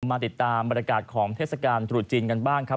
มาติดตามบรรยากาศของเทศกาลตรุษจีนกันบ้างครับ